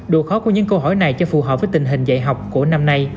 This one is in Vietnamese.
độ khó của những câu hỏi này cho phù hợp với tình hình dạy học của năm nay